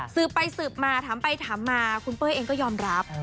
สืบไปสืบมาถามไปถามมาคุณเป้ยเองก็ยอมรับ